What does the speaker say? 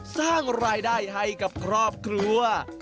สร้างรายได้ให้กับครอบครัว